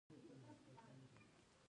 زه خپل کور منظم ساتم.